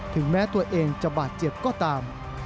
ถึงแม้ตัวเองจะบาดเจ็บก็ตาม